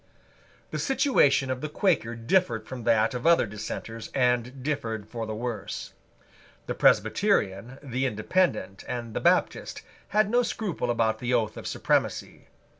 The situation of the Quaker differed from that of other dissenters, and differed for the worse. The Presbyterian, the Independent, and the Baptist had no scruple about the Oath of Supremacy.